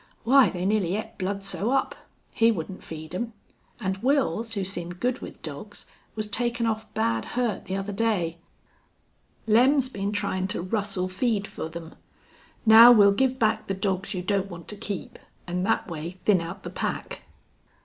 Why, they nearly ate Bludsoe up. He wouldn't feed 'em. An' Wils, who seemed good with dogs, was taken off bad hurt the other day. Lem's been tryin' to rustle feed fer them. Now we'll give back the dogs you don't want to keep, an' thet way thin out the pack."